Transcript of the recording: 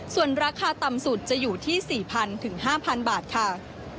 ส่วนราคาต่ำสุดจะอยู่ที่๔๐๐๕๐๐บาทค่ะ